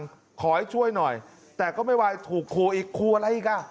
ขอให้ช่วยหน่อยแต่ก็ไม่ไหวถูกครูอีกครูอะไรอีกอ่ะ